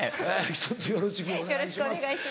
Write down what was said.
ひとつよろしくお願いします。